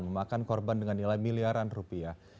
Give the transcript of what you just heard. memakan korban dengan nilai miliaran rupiah